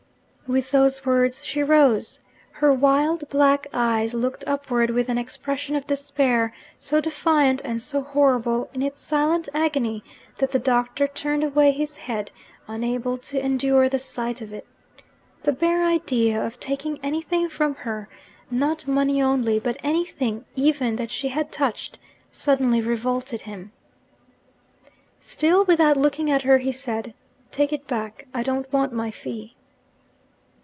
With those words she rose. Her wild black eyes looked upward, with an expression of despair so defiant and so horrible in its silent agony that the Doctor turned away his head, unable to endure the sight of it. The bare idea of taking anything from her not money only, but anything even that she had touched suddenly revolted him. Still without looking at her, he said, 'Take it back; I don't want my fee.'